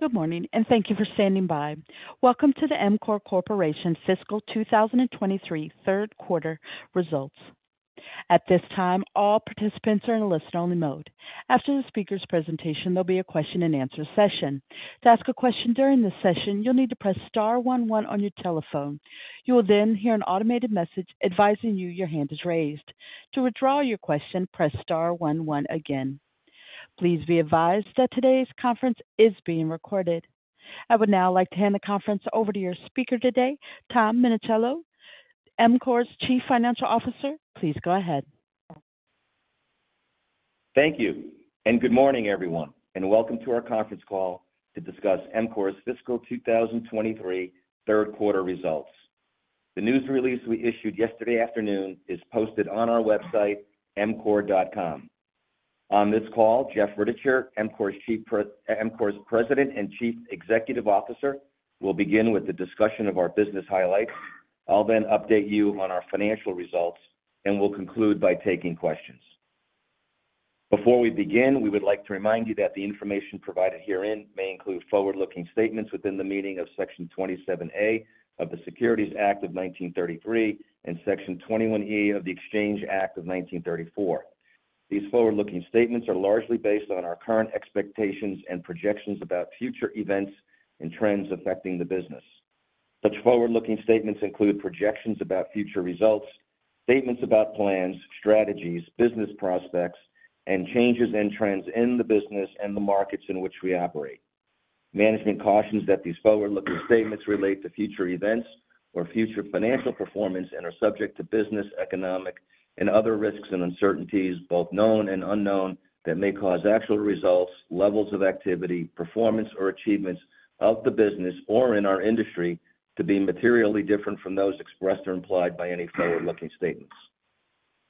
Good morning, and thank you for standing by. Welcome to the EMCORE Corporation Fiscal 2023 third quarter results. At this time, all participants are in a listen-only mode. After the speaker's presentation, there'll be a question-and-answer session. To ask a question during this session, you'll need to press star one one on your telephone. You will then hear an automated message advising you your hand is raised. To withdraw your question, press star one one again. Please be advised that today's conference is being recorded. I would now like to hand the conference over to your speaker today, Tom Minichiello, EMCORE's Chief Financial Officer. Please go ahead. Thank you. Good morning everyone, and welcome to our conference call to discuss EMCORE's fiscal 2023 third quarter results. The news release we issued yesterday afternoon is posted on our website, emcore.com. On this call, Jeff Rittichier, EMCORE's President and Chief Executive Officer, will begin with the discussion of our business highlights. I'll then update you on our financial results, and we'll conclude by taking questions. Before we begin, we would like to remind you that the information provided herein may include forward-looking statements within the meaning of Section 27A of the Securities Act of 1933 and Section 21E of the Exchange Act of 1934. These forward-looking statements are largely based on our current expectations and projections about future events and trends affecting the business. Such forward-looking statements include projections about future results, statements about plans, strategies, business prospects, and changes in trends in the business and the markets in which we operate. Management cautions that these forward-looking statements relate to future events or future financial performance and are subject to business, economic, and other risks and uncertainties, both known and unknown, that may cause actual results, levels of activity, performance, or achievements of the business or in our industry to be materially different from those expressed or implied by any forward-looking statements.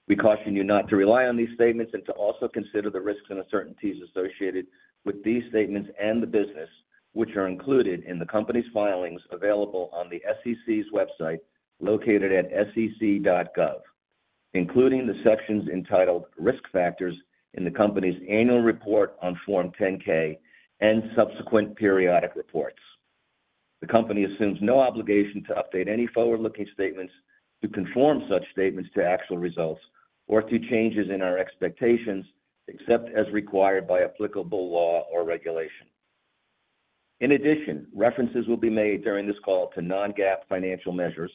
We caution you not to rely on these statements and to also consider the risks and uncertainties associated with these statements and the business, which are included in the company's filings available on the SEC's website, located at sec.gov, including the sections entitled Risk Factors in the company's annual report on Form 10-K and subsequent periodic reports. The company assumes no obligation to update any forward-looking statements to conform such statements to actual results or to changes in our expectations, except as required by applicable law or regulation. In addition, references will be made during this call to non-GAAP financial measures,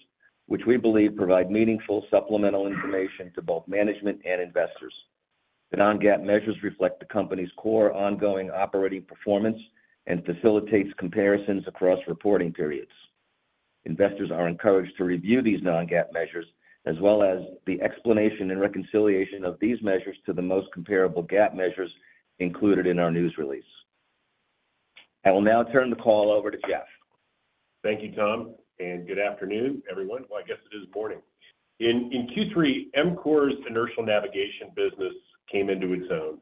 which we believe provide meaningful supplemental information to both management and investors. The non-GAAP measures reflect the company's core ongoing operating performance and facilitates comparisons across reporting periods. Investors are encouraged to review these non-GAAP measures, as well as the explanation and reconciliation of these measures to the most comparable GAAP measures included in our news release. I will now turn the call over to Jeff. Thank you, Tom. Good afternoon, everyone. Well, I guess it is morning. In Q3, EMCORE's Inertial Navigation business came into its own,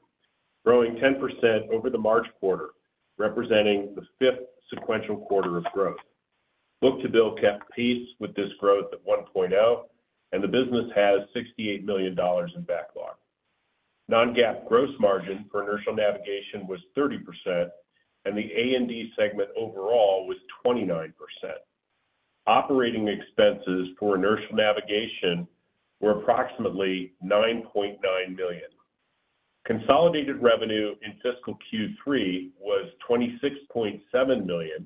growing 10% over the March quarter, representing the fifth sequential quarter of growth. Book-to-bill kept peace with this growth at 1.0, and the business has $68 million in backlog. Non-GAAP gross margin for Inertial Navigation was 30%, and the A&D segment overall was 29%. Operating expenses for Inertial Navigation were approximately $9.9 million. Consolidated revenue in fiscal Q3 was $26.7 million.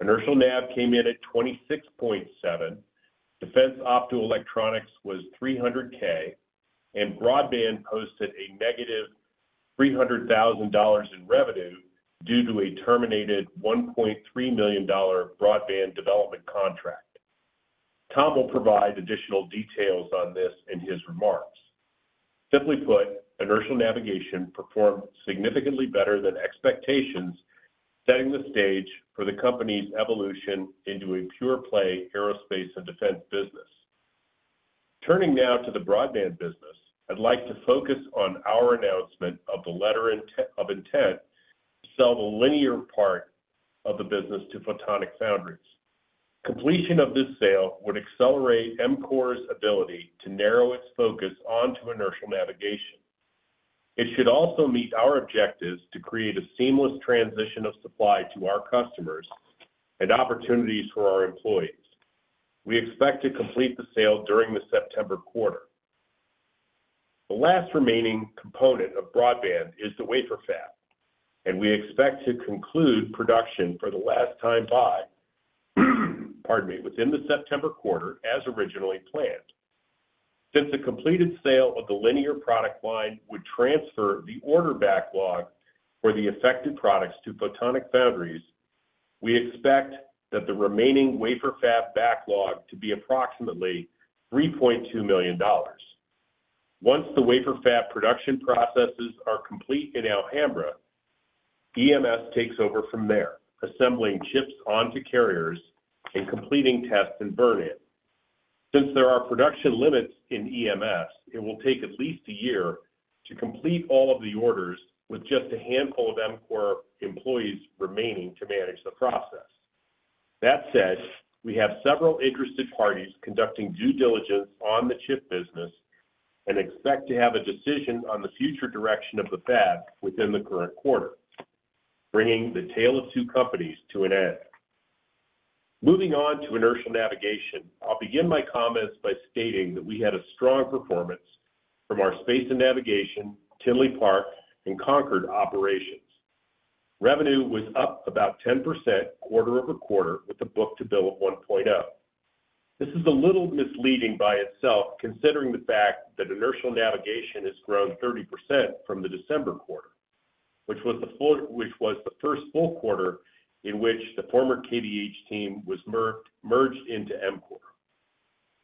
Inertial nav came in at $26.7 million, Defense Optoelectronics was $300K, and Broadband posted a -$300,000 in revenue due to a terminated $1.3 million Broadband development contract. Tom will provide additional details on this in his remarks. Simply put, Inertial Navigation performed significantly better than expectations, setting the stage for the company's evolution into a pure-play Aerospace and Defense Business. Turning now to the Broadband Business, I'd like to focus on our announcement of the letter of intent to sell the linear part of the business to Photonics Foundries. Completion of this sale would accelerate EMCORE's ability to narrow its focus onto Inertial Navigation. It should also meet our objectives to create a seamless transition of supply to our customers and opportunities for our employees. We expect to complete the sale during the September quarter. The last remaining component of Broadband is the wafer fab, and we expect to conclude production for the last time by, pardon me, within the September quarter, as originally planned. Since the completed sale of the linear product line would transfer the order backlog for the affected products to Photonics Foundries, we expect that the remaining wafer fab backlog to be approximately $3.2 million. Once the wafer fab production processes are complete in Alhambra, EMS takes over from there, assembling chips onto carriers and completing tests and burn-in. Since there are production limits in EMS, it will take at least a year to complete all of the orders with just a handful of EMCORE employees remaining to manage the process. That said, we have several interested parties conducting due diligence on the chip business and expect to have a decision on the future direction of the fab within the current quarter, bringing the tale of two companies to an end. Moving on to Inertial Navigation, I'll begin my comments by stating that we had a strong performance from our space and navigation, Tinley Park, and Concord operations. Revenue was up about 10% quarter-over-quarter, with a book-to-bill of 1.0. This is a little misleading by itself, considering the fact that Inertial Navigation has grown 30% from the December quarter, which was the first full quarter in which the former KVH team was merged, merged into EMCORE.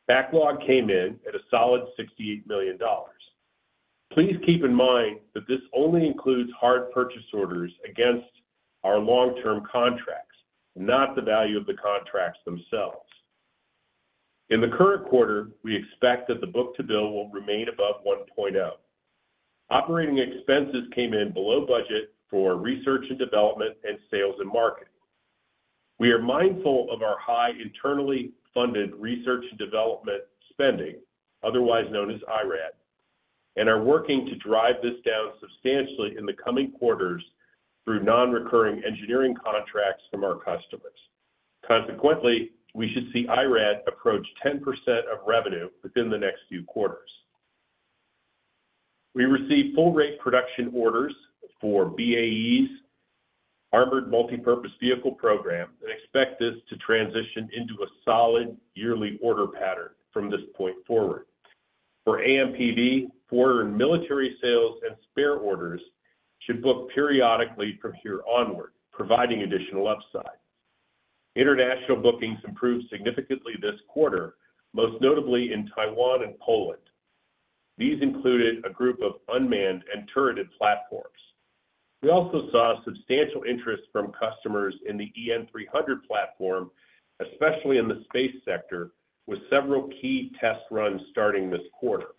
Backlog came in at a solid $68 million. Please keep in mind that this only includes hard purchase orders against our long-term contracts, not the value of the contracts themselves. In the current quarter, we expect that the book-to-bill will remain above 1.0. Operating expenses came in below budget for research and development, and sales and marketing. We are mindful of our high internally funded research and development spending, otherwise known as IRAD, and are working to drive this down substantially in the coming quarters through nonrecurring engineering contracts from our customers. Consequently, we should see IRAD approach 10% of revenue within the next few quarters. We received full rate production orders for BAE's Armored Multi-Purpose Vehicle program and expect this to transition into a solid yearly order pattern from this point forward. For AMPV, Foreign Military Sales and spare orders should book periodically from here onward, providing additional upside. International bookings improved significantly this quarter, most notably in Taiwan and Poland. These included a group of unmanned and turreted platforms. We also saw substantial interest from customers in the EN 300 platform, especially in the space sector, with several key test runs starting this quarter.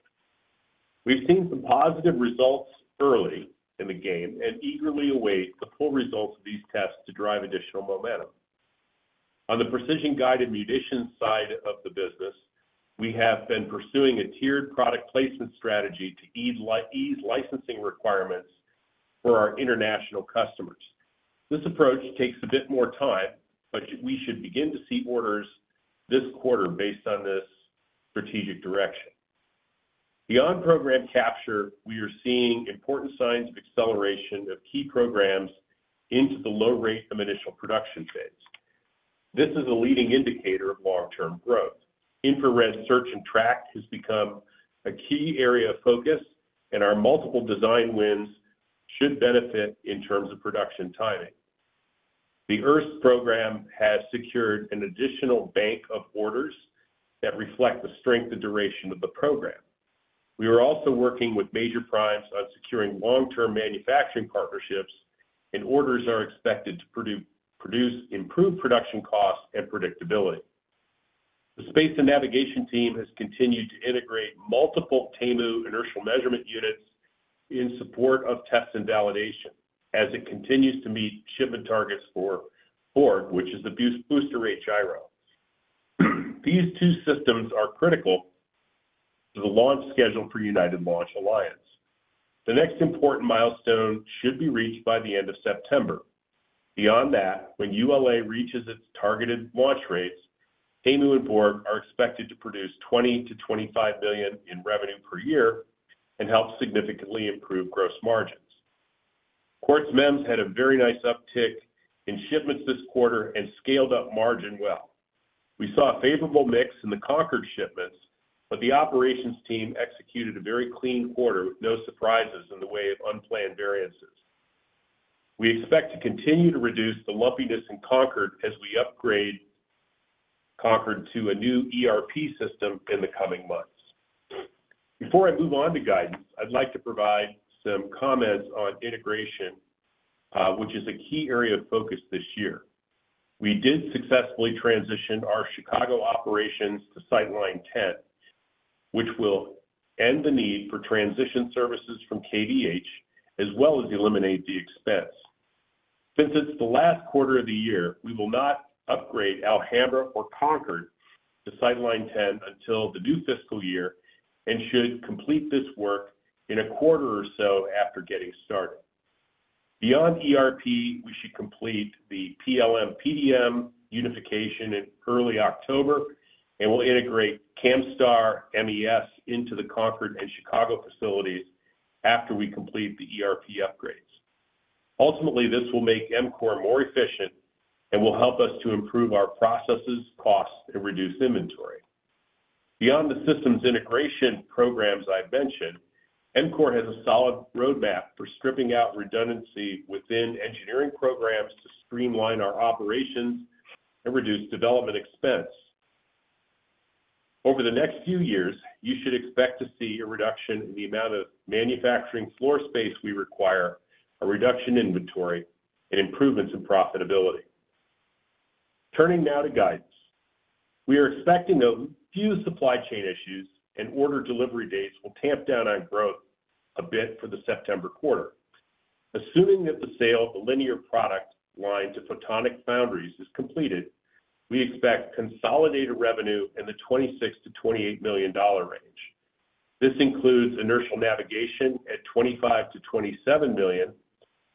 We've seen some positive results early in the game and eagerly await the full results of these tests to drive additional momentum. On the precision-guided munitions side of the business, we have been pursuing a tiered product placement strategy to ease licensing requirements for our international customers. This approach takes a bit more time, but we should begin to see orders this quarter based on this strategic direction. Beyond program capture, we are seeing important signs of acceleration of key programs into the Low-Rate Initial Production phase. This is a leading indicator of long-term growth. Infrared search and track has become a key area of focus, and our multiple design wins should benefit in terms of production timing. The IRST program has secured an additional bank of orders that reflect the strength and duration of the program. We are also working with major primes on securing long-term manufacturing partnerships, and orders are expected to produce improved production costs and predictability. The space and navigation team has continued to integrate multiple TAMU inertial measurement units in support of tests and validation, as it continues to meet shipment targets for BoRG, which is the Booster Rate Gyro. These two systems are critical to the launch schedule for United Launch Alliance. The next important milestone should be reached by the end of September. Beyond that, when ULA reaches its targeted launch rates, TAMU and BoRG are expected to produce $20 million-$25 million in revenue per year and help significantly improve gross margins. Quartz MEMS had a very nice uptick in shipments this quarter and scaled up margin well. We saw a favorable mix in the Concord shipments. The operations team executed a very clean quarter with no surprises in the way of unplanned variances. We expect to continue to reduce the lumpiness in Concord as we upgrade Concord to a new ERP system in the coming months. Before I move on to guidance, I'd like to provide some comments on integration, which is a key area of focus this year. We did successfully transition our Chicago operations to Syteline 10, which will end the need for transition services from KVH, as well as eliminate the expense. Since it's the last quarter of the year, we will not upgrade Alhambra or Concord to Syteline 10 until the new fiscal year and should complete this work in a quarter or so after getting started. Beyond ERP, we should complete the PLM/PDM unification in early October, and we'll integrate Camstar MES into the Concord and Chicago facilities after we complete the ERP upgrades. Ultimately, this will make EMCORE more efficient and will help us to improve our processes, costs, and reduce inventory. Beyond the systems integration programs I've mentioned, EMCORE has a solid roadmap for stripping out redundancy within engineering programs to streamline our operations and reduce development expense. Over the next few years, you should expect to see a reduction in the amount of manufacturing floor space we require, a reduction in inventory, and improvements in profitability. Turning now to guidance. We are expecting a few supply chain issues and order delivery dates will tamp down on growth a bit for the September quarter. Assuming that the sale of the linear product line to Photonics Foundries is completed, we expect consolidated revenue in the $26 million-$28 million range. This includes Inertial Navigation at $25 million-$27 million,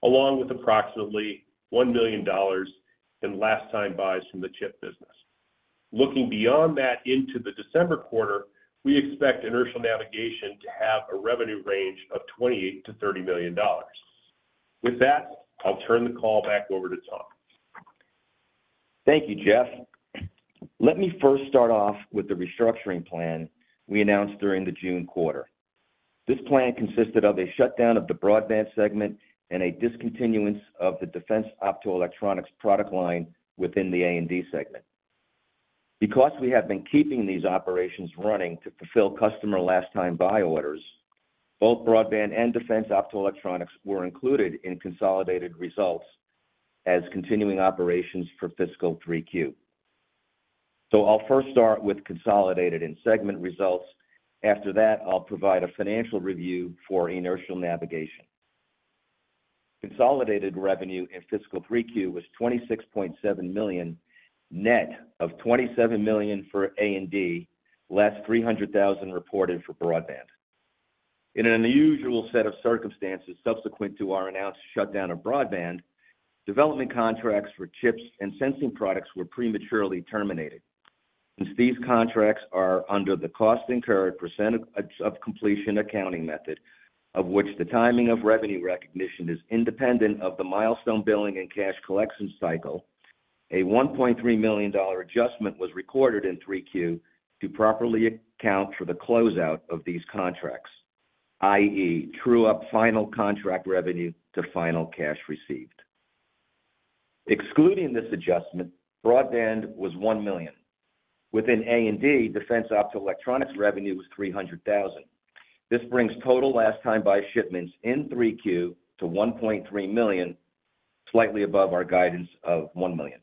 along with approximately $1 million in last-time buys from the chip business. Looking beyond that into the December quarter, we expect Inertial Navigation to have a revenue range of $28 million-$30 million. With that, I'll turn the call back over to Tom. Thank you, Jeff. Let me first start off with the restructuring plan we announced during the June quarter. This plan consisted of a shutdown of the Broadband Segment and a discontinuance of the Defense Optoelectronics product line within the A&D Segment. Because we have been keeping these operations running to fulfill customer last-time buy orders, both Broadband and Defense Optoelectronics were included in consolidated results as continuing operations for fiscal 3Q. I'll first start with consolidated and segment results. After that, I'll provide a financial review for Inertial Navigation. Consolidated revenue in fiscal 3Q was $26.7 million, net of $27 million for A&D, less $300,000 reported for Broadband. In an unusual set of circumstances subsequent to our announced shutdown of Broadband, development contracts for chips and sensing products were prematurely terminated. Since these contracts are under the cost incurred percent of completion accounting method, of which the timing of revenue recognition is independent of the milestone billing and cash collection cycle, a $1.3 million adjustment was recorded in 3Q to properly account for the closeout of these contracts, i.e., true up final contract revenue to final cash received. Excluding this adjustment, Broadband was $1 million. Within A&D, Defense Optoelectronics revenue was $300,000. This brings total last-time buy shipments in 3Q to $1.3 million, slightly above our guidance of $1 million.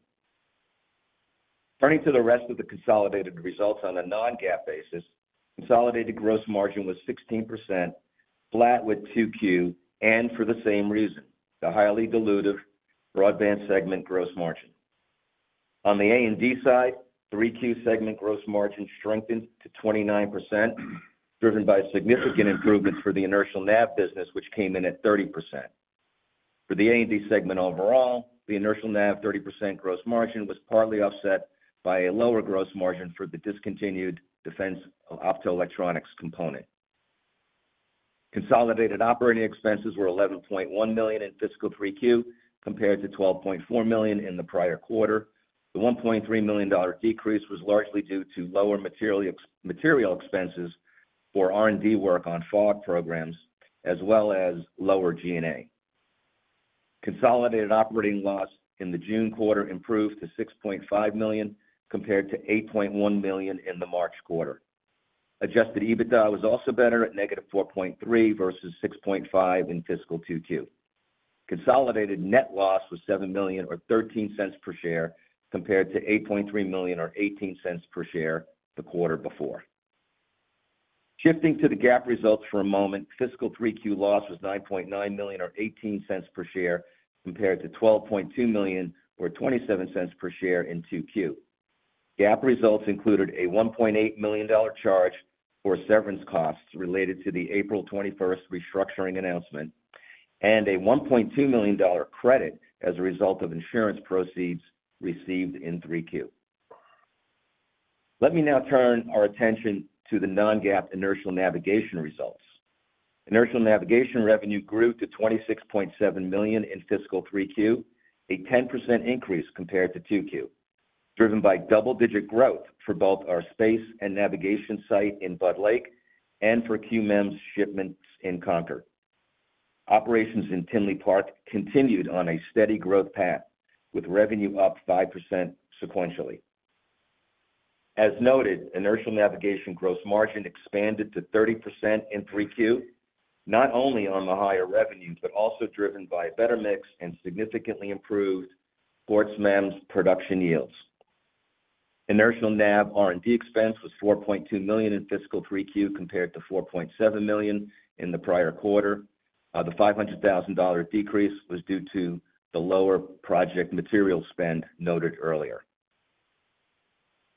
Turning to the rest of the consolidated results on a non-GAAP basis, consolidated gross margin was 16%, flat with Q2, and for the same reason, the highly dilutive Broadband segment gross margin. On the A&D side, 3Q segment gross margin strengthened to 29%, driven by significant improvements for the Inertial Nav business, which came in at 30%. For the A&D segment overall, the inertial nav 30% gross margin was partly offset by a lower gross margin for the discontinued Defense Optoelectronics component. Consolidated operating expenses were $11.1 million in fiscal 3Q, compared to $12.4 million in the prior quarter. The $1.3 million decrease was largely due to lower material expenses for R&D work on FAW programs, as well as lower G&A. Consolidated operating loss in the June quarter improved to $6.5 million, compared to $8.1 million in the March quarter. Adjusted EBITDA was also better at -$4.3 million versus $6.5 million in fiscal 2Q. Consolidated net loss was $7 million, or $0.13 per share, compared to $8.3 million or $0.18 per share the quarter before. Shifting to the GAAP results for a moment, fiscal 3Q loss was $9.9 million or $0.18 per share, compared to $12.2 million or $0.27 per share in 2Q. GAAP results included a $1.8 million charge for severance costs related to the April 21st restructuring announcement, and a $1.2 million credit as a result of insurance proceeds received in 3Q. Let me now turn our attention to the non-GAAP Inertial Navigation results. Inertial Navigation revenue grew to $26.7 million in fiscal 3Q, a 10% increase compared to 2Q, driven by double-digit growth for both our space and navigation site in Budd Lake and for QMEMS shipments in Concord. Operations in Tinley Park continued on a steady growth path, with revenue up 5% sequentially. As noted, Inertial Navigation gross margin expanded to 30% in 3Q, not only on the higher revenue, but also driven by a better mix and significantly improved Quartz MEMS production yields. Inertial Nav R&D expense was $4.2 million in fiscal 3Q compared to $4.7 million in the prior quarter. The $500,000 decrease was due to the lower project material spend noted earlier.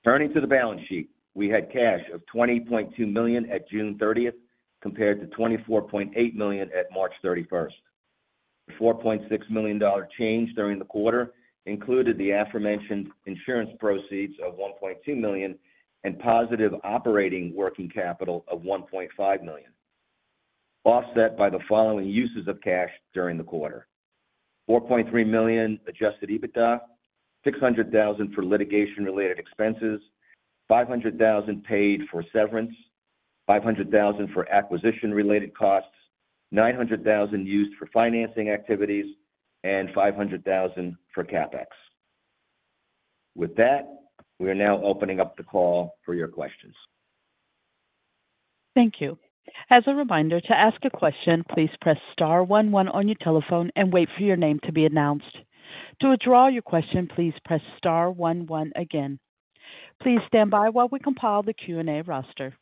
Turning to the balance sheet, we had cash of $20.2 million at June 30th, compared to $24.8 million at March 31st. The $4.6 million change during the quarter included the aforementioned insurance proceeds of $1.2 million and positive operating working capital of $1.5 million, offset by the following uses of cash during the quarter: $4.3 million Adjusted EBITDA, $600,000 for litigation-related expenses, $500,000 paid for severance, $500,000 for acquisition-related costs, $900,000 used for financing activities, and $500,000 for CapEx. With that, we are now opening up the call for your questions. Thank you. As a reminder, to ask a question, please press star one one on your telephone and wait for your name to be announced. To withdraw your question, please press star one one again. Please stand by while we compile the Q&A roster.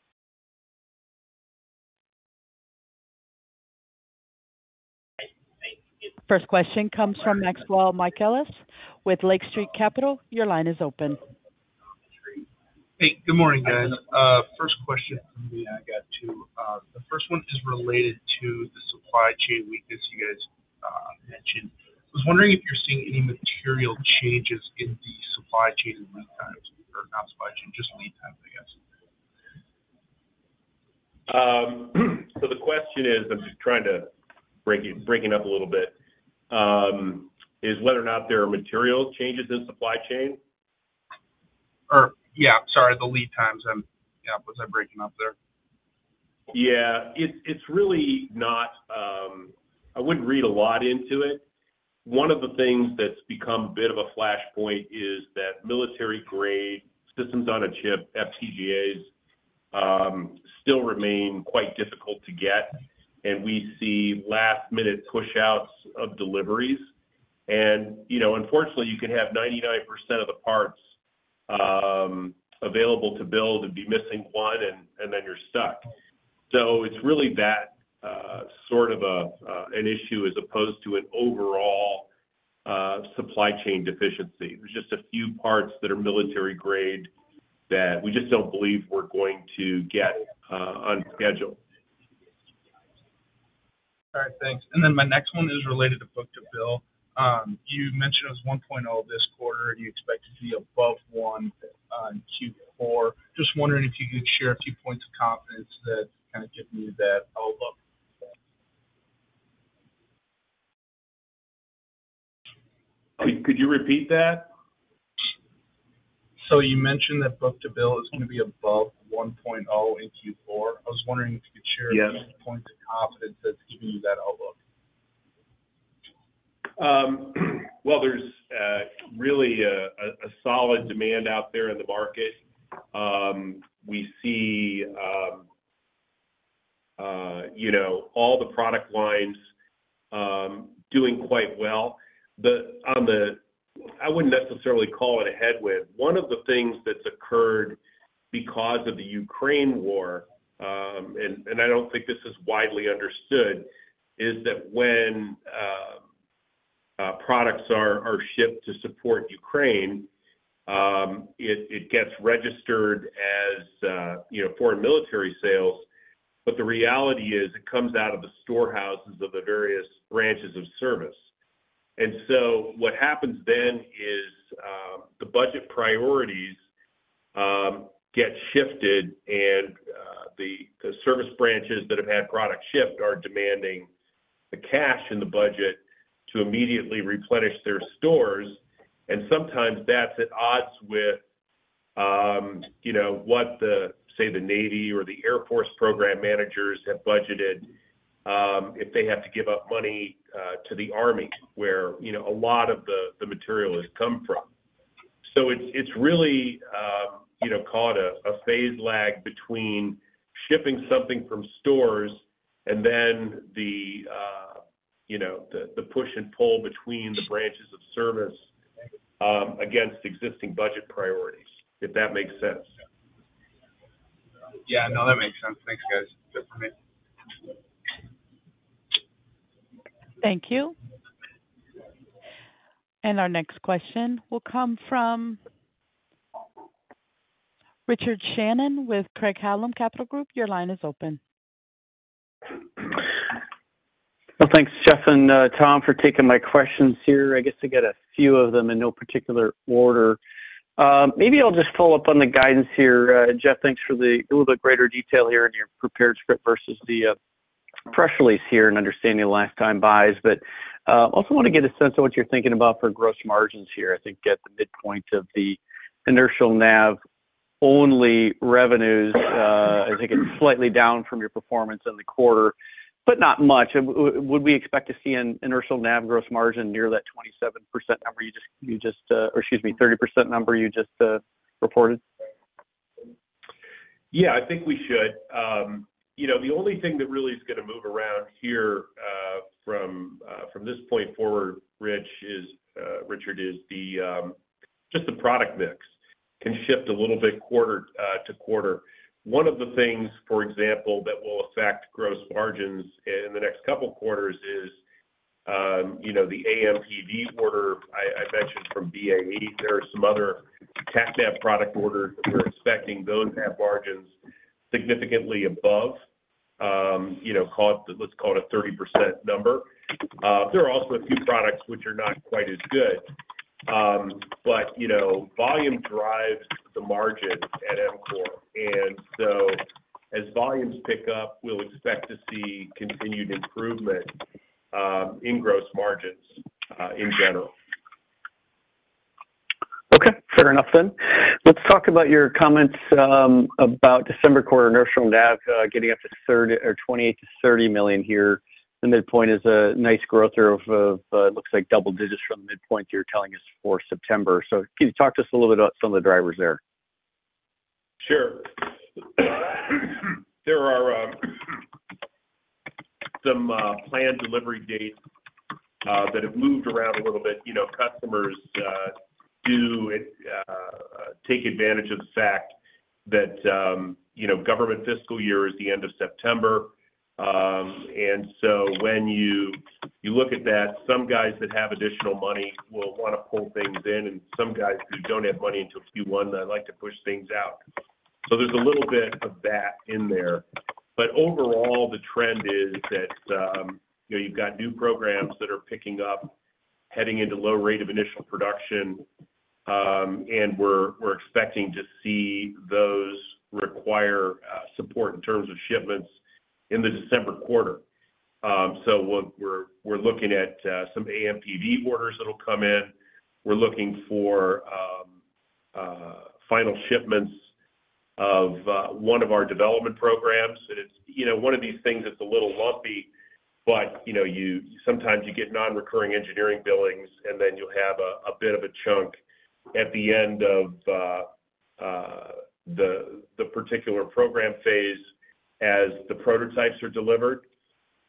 First question comes from Mike Ellis, with Lake Street Capital, your line is open. Hey, good morning, guys. First question from me, I got two. The first one is related to the supply chain weakness you guys mentioned. I was wondering if you're seeing any material changes in the supply chain and lead times, or not supply chain, just lead times, I guess. The question is, is whether or not there are material changes in supply chain? Yeah, sorry, the lead times. Yeah, was I breaking up there? Yeah, it's really not. I wouldn't read a lot into it. One of the things that's become a bit of a flashpoint is that military-grade systems on a chip, FPGAs, still remain quite difficult to get, and we see last-minute pushouts of deliveries. You know, unfortunately, you can have 99% of the parts available to build and be missing one, and then you're stuck. It's really that, sort of, an issue as opposed to an overall supply chain deficiency. There's just a few parts that are military-grade that we just don't believe we're going to get on schedule. All right, thanks. Then my next one is related to book-to-bill. You mentioned it was 1.0 this quarter, and you expect to be above one on Q4. Just wondering if you could share a few points of confidence that kind of give me that outlook? Could you repeat that? You mentioned that book-to-bill is going to be above 1.0 in Q4. I was wondering if you could share- Yes. Some points of confidence that's giving you that outlook. Well, there's really a solid demand out there in the market. We see, you know, all the product lines doing quite well. I wouldn't necessarily call it a headwind. One of the things that's occurred because of the Ukraine war, and I don't think this is widely understood, is that when products are shipped to support Ukraine, it gets registered as, you know, Foreign Military Sales. The reality is, it comes out of the storehouses of the various branches of service. What happens then is the budget priorities get shifted and the service branches that have had products shipped are demanding the cash in the budget to immediately replenish their stores. Sometimes that's at odds with, you know, say, the Navy or the Air Force program managers have budgeted, if they have to give up money, to the Army, where, you know, a lot of the, the material has come from. It's, it's really, you know, caused a phase lag between shipping something from stores and then the, you know, the, the push and pull between the branches of service, against existing budget priorities, if that makes sense. Yeah. No, that makes sense. Thanks, guys. That's it for me. Thank you. Our next question will come from Richard Shannon with Craig-Hallum Capital Group. Your line is open. Well, thanks, Jeff and Tom, for taking my questions here. I guess to get a few of them in no particular order. Maybe I'll just follow up on the guidance here. Jeff, thanks for the little bit greater detail here in your prepared script versus the press release here and understanding the last time buys. I also want to get a sense of what you're thinking about for gross margins here. I think at the midpoint of the Inertial Nav-only revenues, I take it slightly down from your performance in the quarter, but not much. Would we expect to see an Inertial Nav gross margin near that 27% number you just, you just, or excuse me, 30% number you just reported? Yeah, I think we should. You know, the only thing that really is gonna move around here, from this point forward, is Richard, is the just the product mix can shift a little bit quarter-to-quarter. One of the things, for example, that will affect gross margins in the next couple quarters is, you know, the AMPV order I mentioned from BAE. There are some other Captab product orders. We're expecting those to have margins significantly above, you know, call it, let's call it a 30% number. There are also a few products which are not quite as good. You know, volume drives the margin at EMCORE. As volumes pick up, we'll expect to see continued improvement in gross margins in general. Okay, fair enough then. Let's talk about your comments about December quarter Inertial Nav getting up to $28 million-$30 million here. The midpoint is a nice growth rate of looks like double-digits from the midpoint you're telling us for September. Can you talk to us a little bit about some of the drivers there? Sure. Some planned delivery dates that have moved around a little bit. You know, customers do take advantage of the fact that, you know, government fiscal year is the end of September. When you, you look at that, some guys that have additional money will wanna pull things in, and some guys who don't have money until Q1, they like to push things out. There's a little bit of that in there. Overall, the trend is that, you know, you've got new programs that are picking up, heading into Low-Rate Initial Production, and we're expecting to see those require support in terms of shipments in the December quarter. What we're looking at, some AMPV orders that'll come in. We're looking for final shipments of one of our development programs. It's, you know, one of these things that's a little lumpy, but, you know, sometimes you get non-recurring engineering billings, and then you'll have a bit of a chunk at the end of the particular program phase as the prototypes are delivered.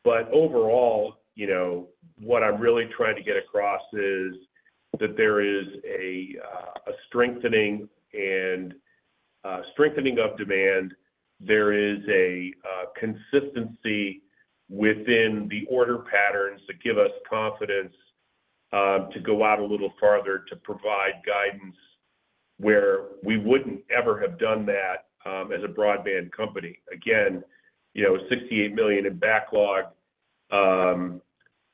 Overall, you know, what I'm really trying to get across is that there is a strengthening and strengthening of demand. There is a consistency within the order patterns that give us confidence to go out a little farther to provide guidance where we wouldn't ever have done that as a Broadband company. Again, you know, $68 million in backlog,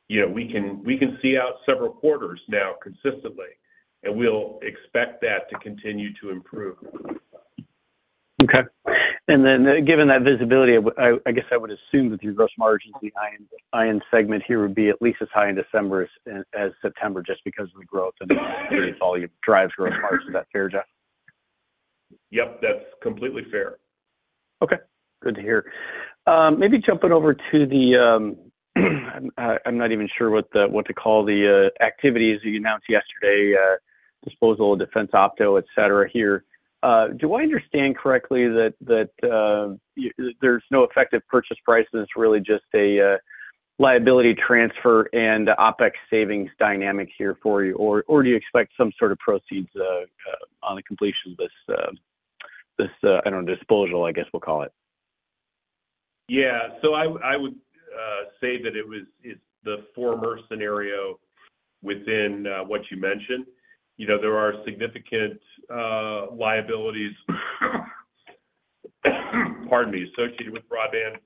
you know, we can see out several quarters now consistently, and we'll expect that to continue to improve. Okay. Then given that visibility, I guess I would assume that your gross margin behind the IN segment here would be at least as high in December as, as September, just because of the growth and all your drives growing margin. Is that fair, John? Yep, that's completely fair. Okay, good to hear. Maybe jumping over to the, I'm not even sure what to call the, activities you announced yesterday, disposal of Defense Opto, et cetera, here. Do I understand correctly that, that, there's no effective purchase price, and it's really just a, liability transfer and OpEx savings dynamic here for you? Do you expect some sort of proceeds, on the completion of this, I don't know, disposal, I guess we'll call it? Yeah. I would say that it was, it's the former scenario within what you mentioned. You know, there are significant liabilities, pardon me, associated with Broadband,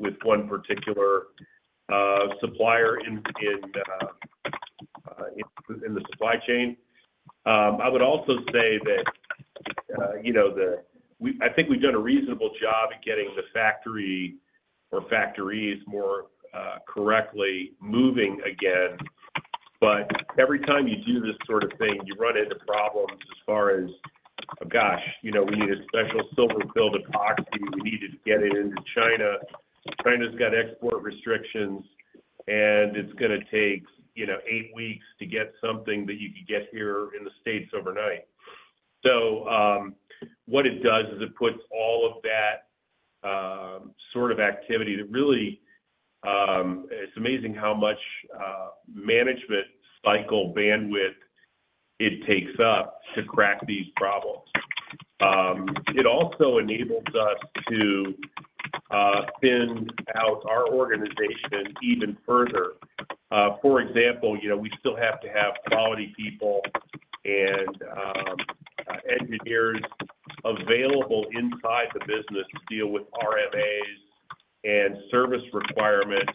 with one particular supplier in in in the supply chain. I would also say that, you know, I think we've done a reasonable job at getting the factory or factories more correctly moving again. Every time you do this sort of thing, you run into problems as far as, gosh, you know, we need a special silver-filled epoxy, we need to get it into China. China's got export restrictions, and it's gonna take, you know, eight weeks to get something that you could get here in the States overnight. What it does is it puts all of that sort of activity that really... It's amazing how much management cycle bandwidth it takes up to crack these problems. It also enables us to thin out our organization even further. For example, you know, we still have to have quality people and engineers available inside the business to deal with RFAs and service requirements.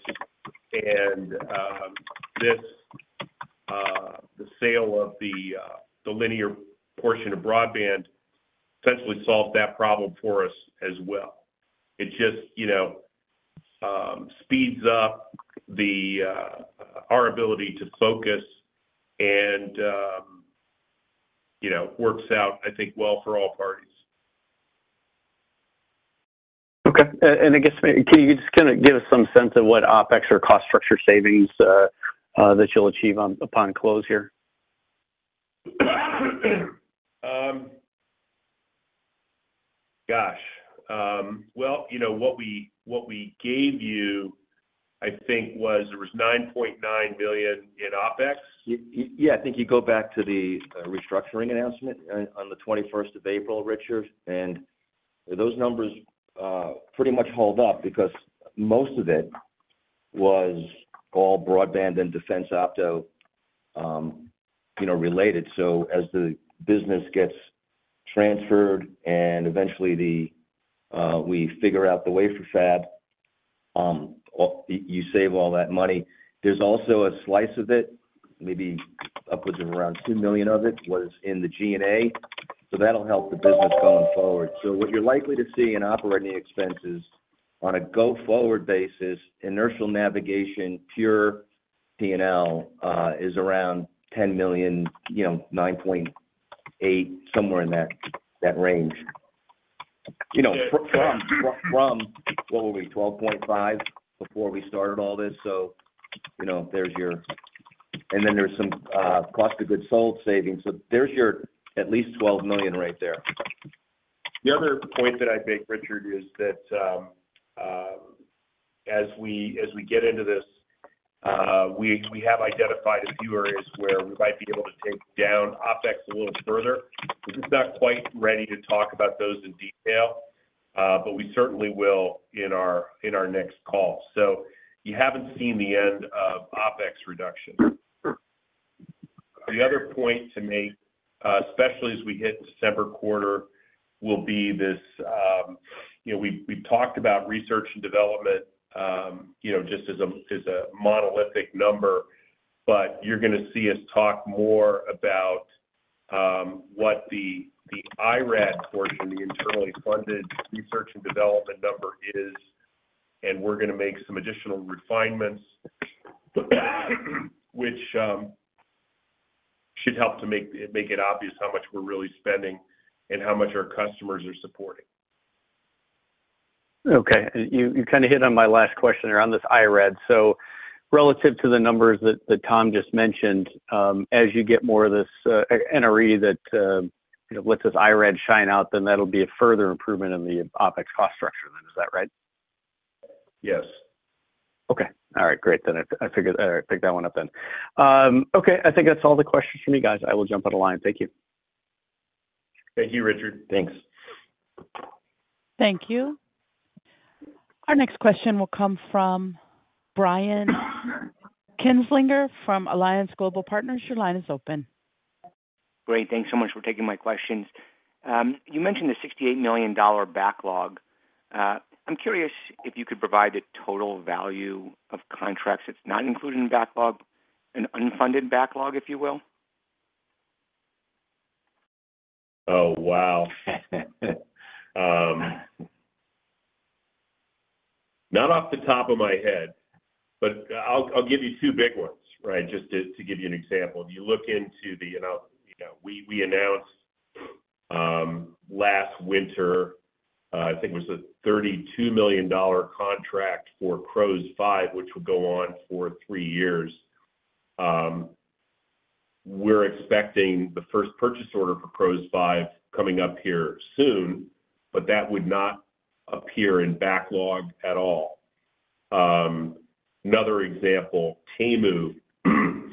This, the sale of the linear portion of Broadband essentially solved that problem for us as well. It just, you know, speeds up the our ability to focus and, you know, works out, I think, well for all parties. Okay. I guess, maybe, can you just kind of give us some sense of what OpEx or cost structure savings that you'll achieve upon close here? Well, you know, what we, what we gave you, I think, was there was $9.9 million in OpEx. Yeah, I think you go back to the restructuring announcement on the 21st of April, Richard. Those numbers, you know, pretty much hold up because most of it was all Broadband and defense opto related. As the business gets transferred and eventually we figure out the wafer fab, you, you save all that money. There's also a slice of it, maybe upwards of around $2 million of it, was in the G&A, that'll help the business going forward. What you're likely to see in operating expenses on a go-forward basis, Inertial Navigation, pure P&L, is around $10 million, you know, $9.8 million, somewhere in that, that range. You know, what were we? $12.5 million before we started all this. You know, there's your. There's some cost of goods sold savings. There's your at least $12 million right there. Point that I'd make, Richard, is that as we, as we get into this, we, we have identified a few areas where we might be able to take down OpEx a little further. This is not quite ready to talk about those in detail, but we certainly will in our, in our next call. You haven't seen the end of OpEx reduction. The other point to make, especially as we hit December quarter, will be this, you know, we, we've talked about research and development, you know, just as a, as a monolithic number, but you're gonna see us talk more about what the, the IRAD portion, the internally funded research and development number is, and we're gonna make some additional refinements, which should help to make, make it obvious how much we're really spending and how much our customers are supporting. Okay. You, you kind of hit on my last question around this IRAD. Relative to the numbers that, that Tom just mentioned, as you get more of this NRE that, you know, lets this IRAD shine out, then that'll be a further improvement in the OpEx cost structure then, is that right? Yes. Okay. All right, great. I, I figured, I picked that one up then. Okay, I think that's all the questions for me, guys. I will jump on the line. Thank you. Thank you, Richard. Thanks. Thank you. Our next question will come from Brian Kinstlinger from Alliance Global Partners. Your line is open. Great. Thanks so much for taking my questions. You mentioned the $68 million backlog. I'm curious if you could provide the total value of contracts that's not included in the backlog, an unfunded backlog, if you will? Oh, wow! Not off the top of my head, but I'll give you two big ones, right? Just to give you an example. If you look into the you know, we, we announced last winter, I think it was a $32 million contract for PROS-V, which would go on for three years. We're expecting the first purchase order for PROS-V coming up here soon, that would not appear in backlog at all. Another example, TAMU. TAMU,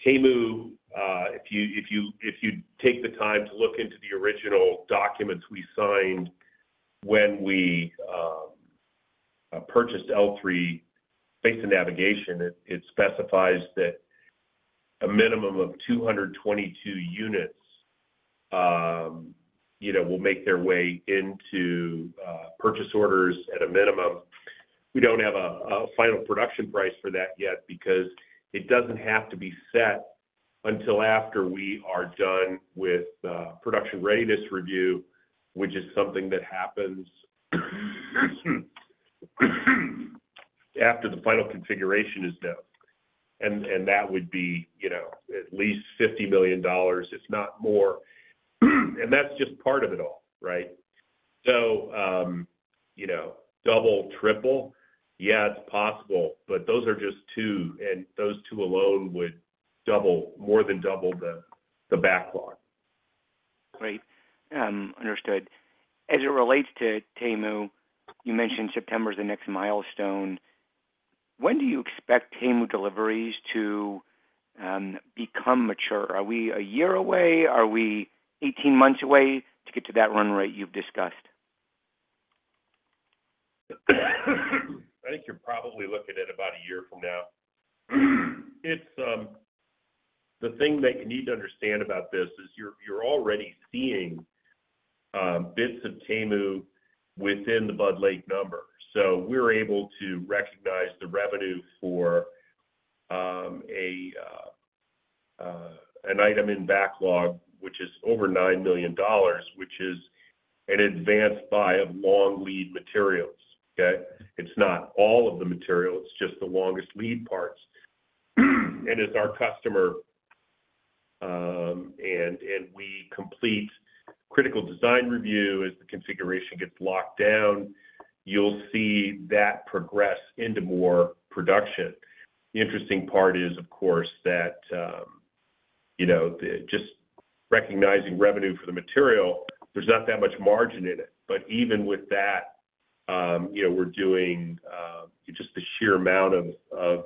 if you, if you, if you take the time to look into the original documents we signed when we purchased L3Harris Space and Navigation, it specifies that a minimum of 222 units, you know, will make their way into purchase orders at a minimum. We don't have a final production price for that yet because it doesn't have to be set until after we are done with Production Readiness Review, which is something that happens after the final configuration is done. That would be, you know, at least $50 million, if not more. That's just part of it all, right? You know, double, triple, yeah, it's possible, but those are just two, and those two alone would double, more than double the backlog. Great, understood. As it relates to TAMU, you mentioned September is the next milestone. When do you expect TAMU deliveries to become mature? Are we a year away? Are we 18 months away to get to that run rate you've discussed? I think you're probably looking at about a year from now. It's the thing that you need to understand about this is you're, you're already seeing bits of TAMU within the Budd Lake number. We're able to recognize the revenue for an item in backlog, which is over $9 million, which is an advanced buy of long lead materials. Okay? It's not all of the material, it's just the longest lead parts. As our customer and we complete Critical Design Review, as the configuration gets locked down, you'll see that progress into more production. The interesting part is, of course, that, you know, just recognizing revenue for the material, there's not that much margin in it. Even with that, you know, we're doing, just the sheer amount of, of,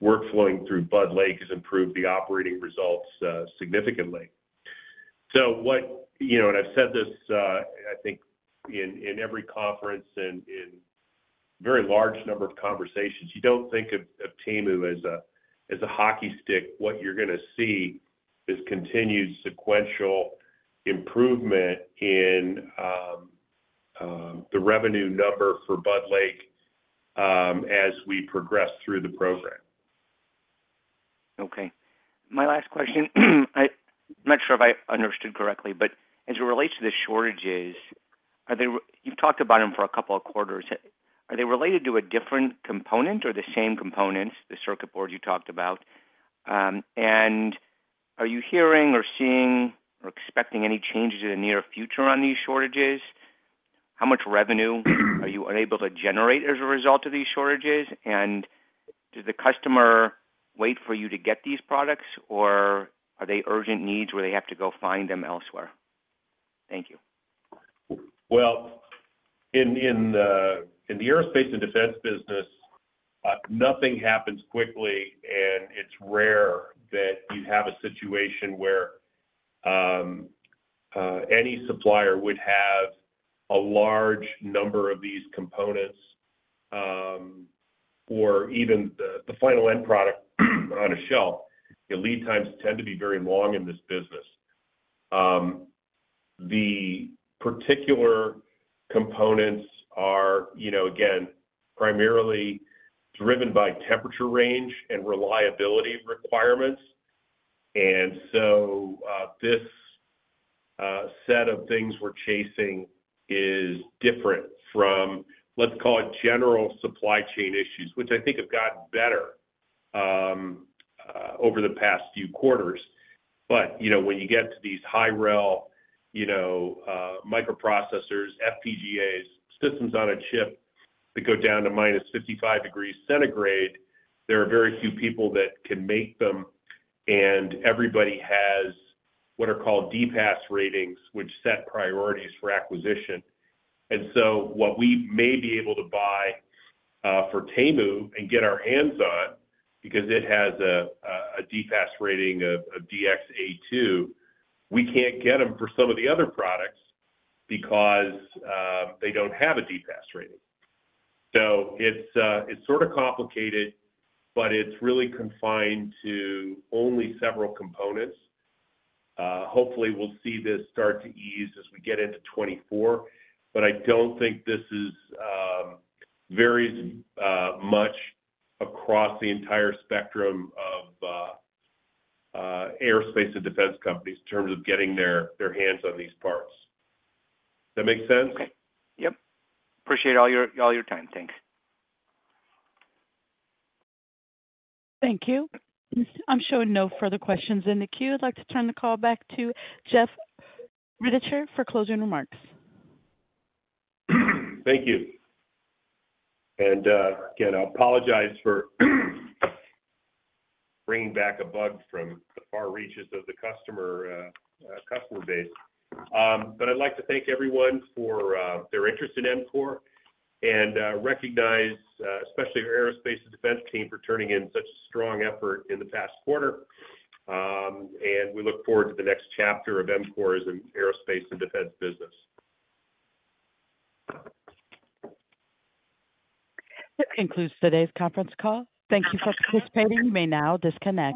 work flowing through Budd Lake has improved the operating results, significantly. You know, and I've said this, I think in, in every conference and in very large number of conversations, you don't think of, of TAMU as a, as a hockey stick. What you're gonna see is continued sequential improvement in, the revenue number for Budd Lake, as we progress through the program. Okay. My last question, I'm not sure if I understood correctly, but as it relates to the shortages, you've talked about them for a couple of quarters. Are they related to a different component or the same components, the circuit board you talked about? And are you hearing or seeing or expecting any changes in the near future on these shortages? How much revenue are you unable to generate as a result of these shortages? Do the customer wait for you to get these products, or are they urgent needs where they have to go find them elsewhere? Thank you. Well, in the, in the aerospace and defense business, nothing happens quickly, and it's rare that you have a situation where any supplier would have a large number of these components, or even the, the final end product on a shelf. The lead times tend to be very long in this business. The particular components are, you know, again, primarily driven by temperature range and reliability requirements. So, this set of things we're chasing is different from, let's call it, general supply chain issues, which I think have gotten better over the past few quarters. You know, when you get to these high rel, you know, microprocessors, FPGAs, systems-on-a-chip, that go down to minus 55 degrees Celsius, there are very few people that can make them, and everybody has what are called DPAS ratings, which set priorities for acquisition. What we may be able to buy for TAIMU and get our hands on, because it has a DPAS rating of DX-A2, we can't get them for some of the other products because they don't have a DPAS rating. It's sort of complicated, but it's really confined to only several components. Hopefully, we'll see this start to ease as we get into 2024, but I don't think this is varies much across the entire spectrum of aerospace and defense companies in terms of getting their hands on these parts. Does that make sense? Okay. Yep. Appreciate all your, all your time. Thanks. Thank you. I'm showing no further questions in the queue. I'd like to turn the call back to Jeff Rittichier for closing remarks. Thank you. Again, I apologize for bringing back a bug from the far reaches of the customer base. I'd like to thank everyone for their interest in EMCORE and recognize especially our aerospace and defense team, for turning in such a strong effort in the past quarter. We look forward to the next chapter of EMCORE as an aerospace and defense business. That concludes today's conference call. Thank Thank you for participating. You may now disconnect.